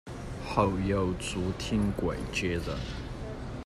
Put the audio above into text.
后由朱庭桂接任。